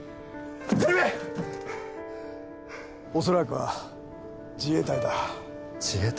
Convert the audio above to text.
恐らくは自衛隊だ。